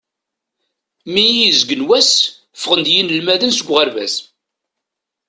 Mi i izeggen wass, ffɣen-d yinelmaden seg uɣerbaz.